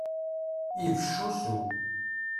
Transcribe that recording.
Ibecc usu.